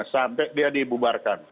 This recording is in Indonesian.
sampai dia dibubarkan